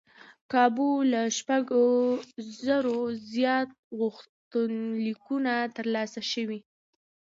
کابو له شپږ زرو زیات غوښتنلیکونه ترلاسه شوي و.